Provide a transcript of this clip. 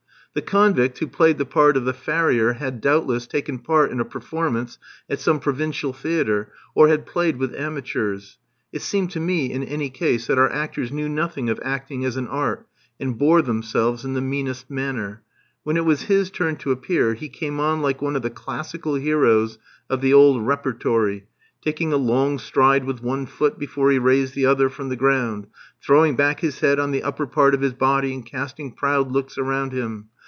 The convict who played the part of the farrier had, doubtless, taken part in a performance at some provincial theatre, or had played with amateurs. It seemed to me, in any case, that our actors knew nothing of acting as an art, and bore themselves in the meanest manner. When it was his turn to appear, he came on like one of the classical heroes of the old repertory taking a long stride with one foot before he raised the other from the ground, throwing back his head on the upper part of his body and casting proud looks around him.